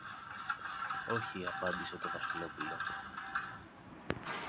Όχι, απάντησε το Βασιλόπουλο.